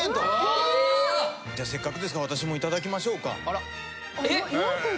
じゃあせっかくですから私もいただきましょうか。